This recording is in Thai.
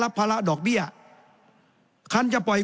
แสดงว่าความทุกข์มันไม่ได้ทุกข์เฉพาะชาวบ้านด้วยนะ